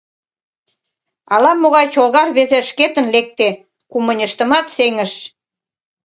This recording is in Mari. Ала-могай чолга рвезе шкетын лекте — кумыньыштымат сеҥыш.